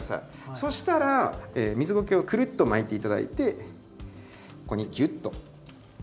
そしたら水ゴケをくるっと巻いて頂いてここにギュッと。